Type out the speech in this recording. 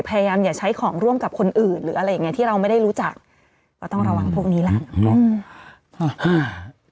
อย่าใช้ของร่วมกับคนอื่นหรืออะไรอย่างเงี้ที่เราไม่ได้รู้จักก็ต้องระวังพวกนี้แหละเนอะ